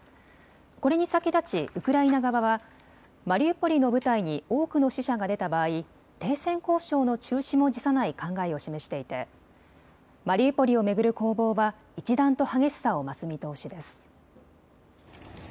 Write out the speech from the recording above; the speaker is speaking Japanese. これに先立ちウクライナ側はマリウポリの部隊に多くの死者が出た場合、停戦交渉の中止も辞さない考えを示していてマリウポリを巡る攻防は一段と激しさを増す見通しです。